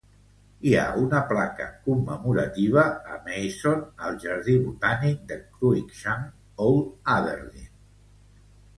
Hi ha una placa commemorativa a Masson al jardí botànic de Cruickshank, Old Aberdeen.